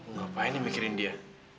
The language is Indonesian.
ngapain lu mikirin dia